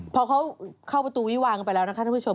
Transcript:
พอเขาเข้าประตูวิวางกันไปแล้วนะคะท่านผู้ชม